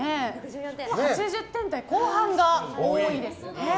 ８０点台後半が多いですね。